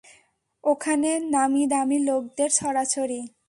ওখানে নামী-দামী লোকদের ছড়াছড়ি।